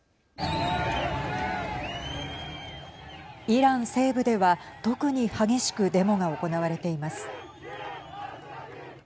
イラン西部では特に激しくデモが行われています。